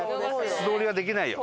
素通りはできないよ。